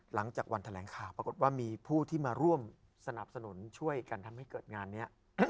หลังจากวันแถลงข่าวปรากฏว่ามีผู้ที่มาร่วมสนับสนุนช่วยกันทำให้เกิดงานนี้